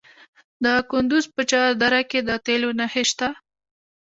د کندز په چهار دره کې د تیلو نښې شته.